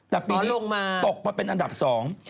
แต่ปีนี้ลงมาตกมาเป็นอันดับสอง